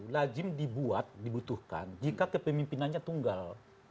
lajim dibuat dibutuhkan jika kepemimpinannya tunggal